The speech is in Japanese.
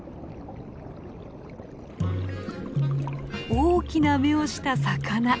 大きな目をした魚。